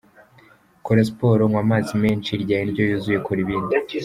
Kora siporo, nywa amazi menshi rya indyo yuzuye kora ibindi.